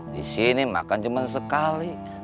di sini makan cuma sekali